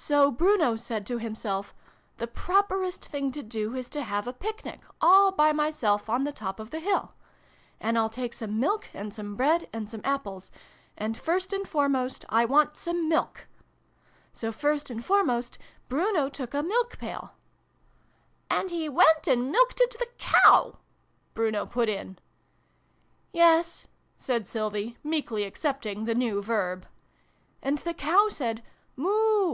" So Bruno said to himself ' The properest thing to do is to have a Picnic, all by myself, on the top of the hill. And I'll take some Milk, and some Bread, and some Apples : and first and foremost, I want some Milk T So, first and foremost, Bruno took a milk pail " And he went and milkted the Cow !" Bruno put in. " Yes," said Sylvie, meekly accepting the new verb. " And the Cow said ' Moo